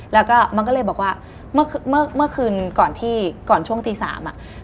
แล้วก็มันก็เลยบอกว่า